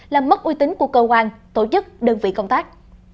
làm mất uy tín của cơ quan tổ chức đơn vị công tác